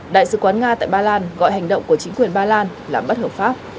đại sứ quán nga tại ba lan gọi hành động của chính quyền ba lan là bất hợp pháp